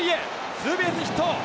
ツーベースヒット！